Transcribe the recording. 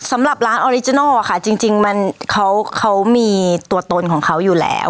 สำหรับร้านออริจินัลค่ะจริงเขามีตัวตนของเขาอยู่แล้ว